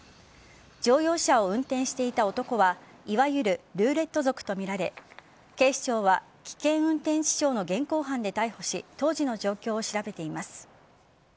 乗用車を運転していた男はいわゆるルーレット族とみられ警視庁は危険運転致傷の現行犯で逮捕し当時の状況を調べています。